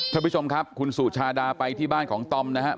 ท่านผู้ชมครับคุณสุชาดาไปที่บ้านของตอมนะครับ